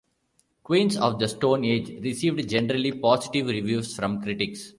"Queens of the Stone Age" received generally positive reviews from critics.